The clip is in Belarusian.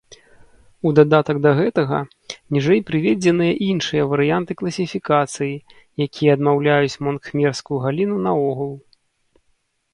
У дадатак да гэтага, ніжэй прыведзеныя іншыя варыянты класіфікацыі, якія адмаўляюць мон-кхмерскую галіну наогул.